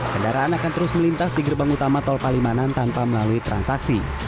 kendaraan akan terus melintas di gerbang utama tol palimanan tanpa melalui transaksi